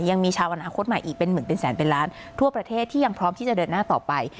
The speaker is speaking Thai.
ยังมีชาวอนาคตใหม่อีกเป็นหมื่นเป็นแสนเป็นล้านทั่วประเทศที่ยังพร้อมที่จะเดินหน้าต่อไป